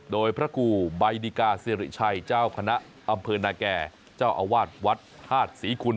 โดยพระครูใบดิกาสิริชัยเจ้าคณะอำเภอนาแก่เจ้าอาวาสวัดธาตุศรีคุณ